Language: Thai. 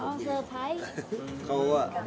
โอ้สเตอร์ไพรส์